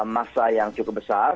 masa yang cukup besar